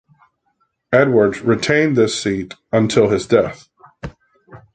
Edwards retained this seat until his death.